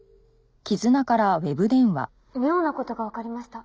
「妙な事がわかりました」